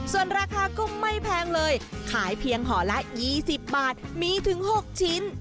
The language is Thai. ส่วนราคาก็ไม่แพงเลยขายเพียงห่อละ๒๐บาทมีถึง๖ชิ้น